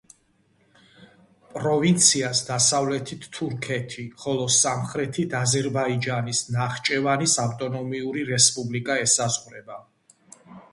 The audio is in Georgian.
პროვინციას დასავლეთით თურქეთი, ხოლო სამხრეთით აზერბაიჯანის ნახჭევანის ავტონომიური რესპუბლიკა ესაზღვრება.